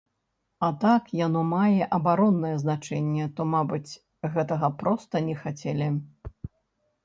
А так як яно мае абароннае значэнне, то, мабыць, гэтага проста не хацелі.